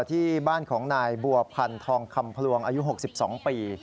ที่บ้านของนายบัวพันธองคำพลวงอายุ๖๒ปี